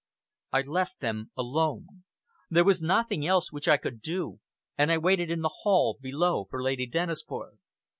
I left them alone! There was nothing else which I could do, and I waited in the hall below for Lady Dennisford.